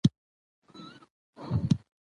مېلې د ټولني د مثبت بدلون یو لامل ګرځي.